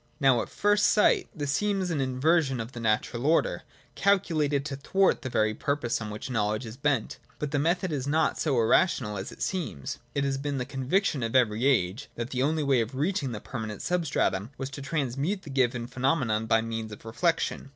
Now, at first sight, this seems an inversion of the natural order, calculated to thwart the very purpose on which knowledge is bent. But the method is not so irrational as it seems. It has been the conviction of every age that the only way of reaching the permanent substratum was to transmute the given pheno menon by means of reflection.